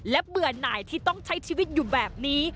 และเบื่อหน่ายที่ต้องใช้ชีวิตอยู่แบบนี้